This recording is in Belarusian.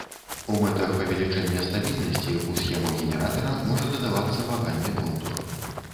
У мэтах павелічэння стабільнасці ў схему генератара можа дадавацца вагальны контур.